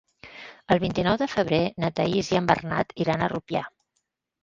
El vint-i-nou de febrer na Thaís i en Bernat iran a Rupià.